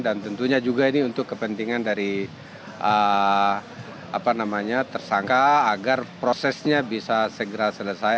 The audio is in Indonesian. dan tentunya juga ini untuk kepentingan dari tersangka agar prosesnya bisa segera selesai